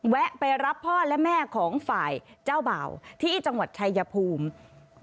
ไปรับพ่อและแม่ของฝ่ายเจ้าบ่าวที่จังหวัดชายภูมิ